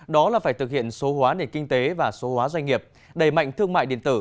đó là phải thực hiện số hóa nền kinh tế và số hóa doanh nghiệp đẩy mạnh thương mại điện tử